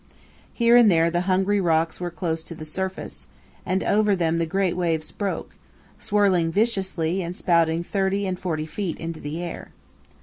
Here and there the hungry rocks were close to the surface, and over them the great waves broke, swirling viciously and spouting thirty and forty feet into the air.